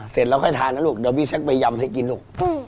เสร็จแล้วค่อยทานนะลูกเดี๋ยวพี่เช็คใบยำให้กินลูก